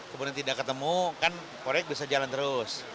kemudian tidak ketemu kan proyek bisa jalan terus